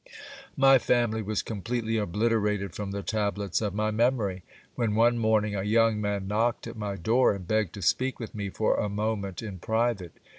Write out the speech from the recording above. — My family was completely obliterated from the tablets of my memory, when one morning a young man knocked at my door and begged to speak with me for a moment in private.